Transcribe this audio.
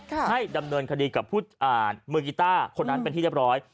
ให้ดำเนินคดีกับผู้มือกีต้าคนนั้นเป็นที่เรียบร้อย